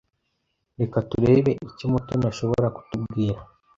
Reka turebe icyo Mutoni ashobora kutubwira.